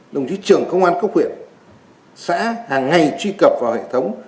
đồng chí trưởng công an cấp huyện xã hàng ngày truy cập vào hệ thống